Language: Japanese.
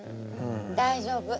大丈夫。